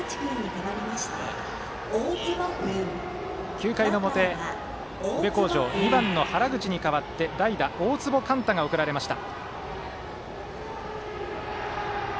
９回の表、宇部鴻城は２番の原口に代わって代打、大坪幹太が送られました。